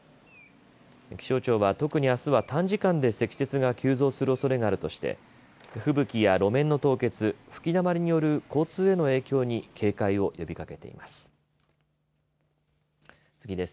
気象庁は特にあすは短時間で積雪が急増するおそれがあるとして吹雪や路面の凍結吹きだまりによる交通への影響に警戒を呼びかけています。